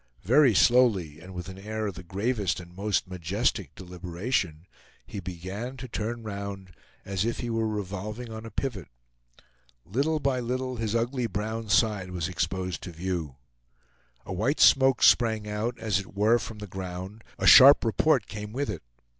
Very slowly, and with an air of the gravest and most majestic deliberation, he began to turn round, as if he were revolving on a pivot. Little by little his ugly brown side was exposed to view. A white smoke sprang out, as it were from the ground; a sharp report came with it.